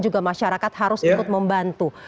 juga masyarakat harus ikut membantu